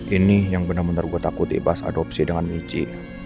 ini yang benar benar buat aku dibahas adopsi dengan michi